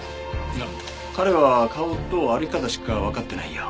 いや彼は顔と歩き方しかわかってないよ。